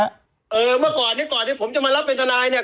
เมื่อก่อนนี้ก่อนที่ผมจะมารับเป็นทนายเนี่ย